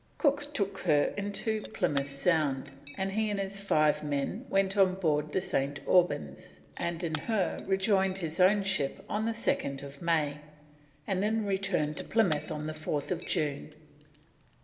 Cook took her into Plymouth Sound, and he and his five men went on board the St. Albans, and in her rejoined his own ship on the 2nd May, and then returned to Plymouth on the 4th June.